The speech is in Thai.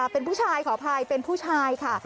เป็นผู้ชายขออภัยเป็นผู้ชายค่ะ